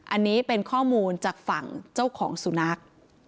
อันนี้เป็นข้อมูลจากฝั่งเจ้าของสุนัข